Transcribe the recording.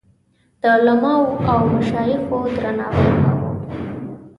د علماوو او مشایخو درناوی کاوه.